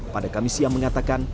pada kamis yang mengatakan